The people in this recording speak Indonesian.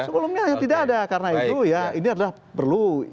sebelumnya tidak ada karena itu ya ini adalah perlu